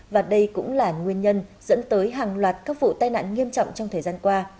và đây cũng là nguyên nhân dẫn tới hàng loạt các vụ tai nạn nghiêm trọng trong thời gian qua